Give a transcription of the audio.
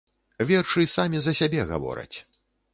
Вершы самі за сябе гавораць.